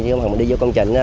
nhưng mà mình đi vô công trình